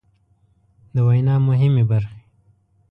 د وينا مهمې برخې